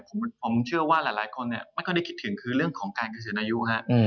ผมเชื่อว่าหลายคนไม่ค่อยได้คิดถึงคือเรื่องของการเกษียณอายุฮะ